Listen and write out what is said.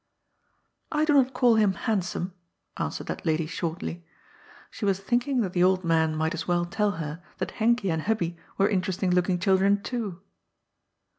*'I do not call him handsome," answered that lady shortly. She was thinking that the old man might as well tell her that Henky and Hubby were interesting look ing children too.